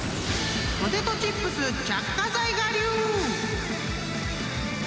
［ポテトチップス着火剤我流！］